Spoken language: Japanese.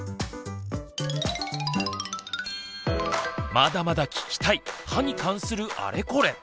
まだまだ聞きたい歯に関するあれこれ！